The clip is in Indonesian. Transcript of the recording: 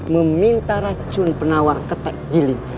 meminta racun penawar ketep giling